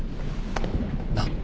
なっ？